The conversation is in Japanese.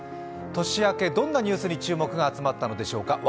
年明けどんなニュースに注目が集まったのでしょうか。